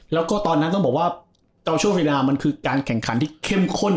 แล้วก็ตอนนั้นต้องหัวว่าเกาโชว์ศรีนามันคือการแข่งขันที่เข้มข้น